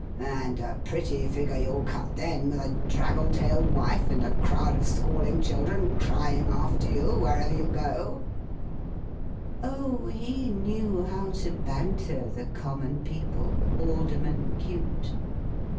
And a pretty figure you'll cut then, with a draggle tailed wife and a crowd of squalling children crying after you wherever you go!' O, he knew how to banter the common people, Alderman Cute!